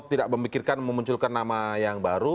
tidak memikirkan memunculkan nama yang baru